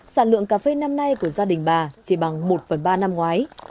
sản lượng cà phê năm nay của gia đình bà chỉ bằng một phần ba năm ngoái